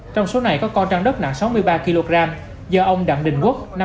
trong số này có con trang đất nặng sáu mươi ba kg do ông đặng đình quốc